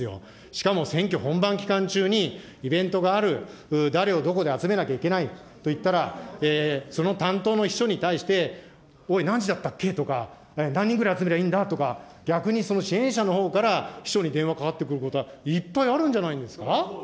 しかも選挙本番期間中にイベントがある、誰をどこで集めなきゃいけないといったら、その担当の秘書に対して、おい、何時だったっけとか、何人ぐらい集めりゃいいんだとか、逆にその支援者のほうから秘書に電話かかってくることは、いっぱいあるんじゃないですか。